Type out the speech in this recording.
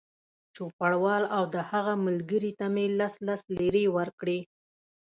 چوپړوال او د هغه ملګري ته مې لس لس لېرې ورکړې.